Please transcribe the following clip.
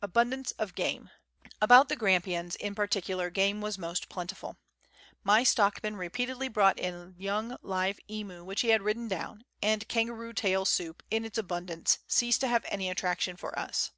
Abundance of Game. About the Grampians, in particular, game was most plentiful. My stockman repeatedly brought in young live emu, which he had ridden down ; and kangaroo tail soup, in its abundance, ceased to have any attraction for us.